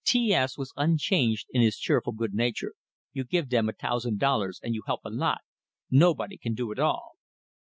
T S was unchanged in his cheerful good nature. "You give dem a tousand dollars and you help a lot. Nobody can do it all."